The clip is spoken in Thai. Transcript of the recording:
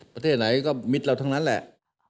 ประเทศไหนก็มิตรเราทั้งนั้นแหละ